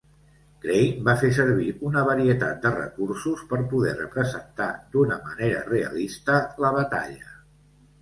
Crane va fer servir una varietat de recursos per poder representar d'una manera realista la batalla.